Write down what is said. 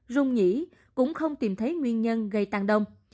rung nhỉ cũng không tìm thấy nguyên nhân gây tăng đông